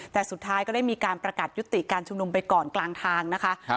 แต่สุดท้ายก็ได้มีการประกาศยุติการชุมนุมไปก่อนกลางทางนะคะ